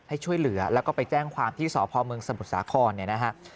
ให้ช่วยเหลือแล้วก็ไปแจ้งความที่สพเมืองสมุทรสาครเนี่ยนะฮะ